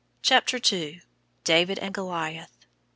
CHAPTER II. DAVID AND GOLIATH.